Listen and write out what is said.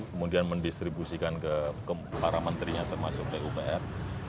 kemudian mendistribusikan ke para menterinya termasuk pupr